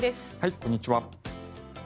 こんにちは。